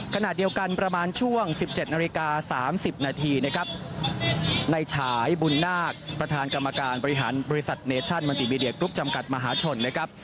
ขณะเดียวกันประมาณช่วง๑๗นาฬิกา๓๐นาทีนะครับในฉายบุญนาคประธานกรรมการบริหารบริษัทเนชั่นมันติมีเดียกรุ๊ปจำกัดมหาชนนะครับ